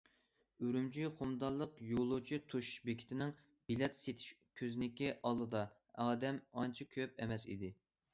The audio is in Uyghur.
ئۈرۈمچى خۇمدانلىق يولۇچى توشۇش بېكىتىنىڭ بىلەت سېتىش كۆزنىكى ئالدىدا، ئادەم ئانچە كۆپ ئەمەس ئىدى.